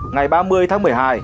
ngày ba mươi tháng một mươi hai